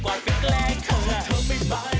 อ้าวในคูล่าร์มีมั้ย